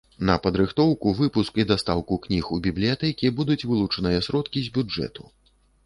На падрыхтоўку, выпуск і дастаўку кніг у бібліятэкі будуць вылучаныя сродкі з бюджэту.